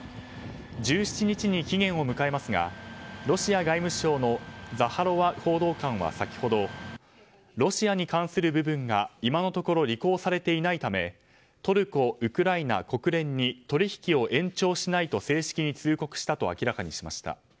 １７日に期限を迎えますがロシア外務省のザハロワ報道官は先ほどロシアに関する部分が今のところ履行されていないためトルコ、ウクライナ、国連に取引を延長しないと正式に通告したと明らかにしました。